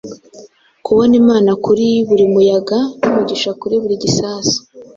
Kubona imana kuri buri muyaga n'umugisha kuri buri gisasu;